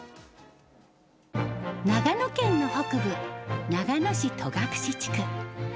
長野県の北部、長野市戸隠地区。